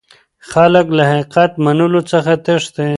خلک له حقيقت منلو څخه تښتي.